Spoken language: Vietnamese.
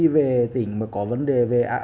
về tỉnh có vấn đề về